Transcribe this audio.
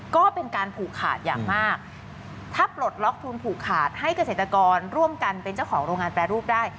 ก็เป็นการผูกขาดอย่างมากถ้าปลดล็อกทุนผูกขาดให้เกษตรกรร่วมกันเป็นเจ้าของโรงงานแปรรูปได้